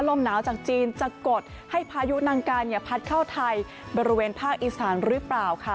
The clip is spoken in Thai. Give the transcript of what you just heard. ลมหนาวจากจีนจะกดให้พายุนังการเนี่ยพัดเข้าไทยบริเวณภาคอีสานหรือเปล่าค่ะ